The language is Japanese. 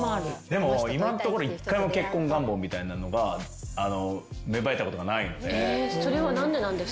でも今んところ１回も結婚願望みたいなのが芽生えたことがないので。